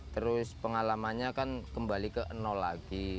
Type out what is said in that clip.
terus pengalamannya kan kembali ke nol lagi